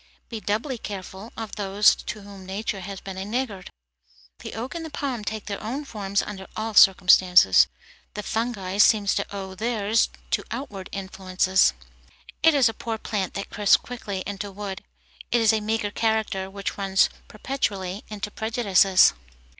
Be doubly careful of those to whom nature has been a niggard. The oak and the palm take their own forms under all circumstances; the fungi seem to owe theirs to outward influences. It is a poor plant that crisps quickly into wood. It is a meagre character which runs perpetually into prejudices.